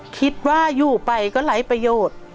คิดว่าอยู่ไปก็ไร้ประโยชน์